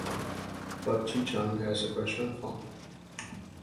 But Chi-Chung has a crush on Fung.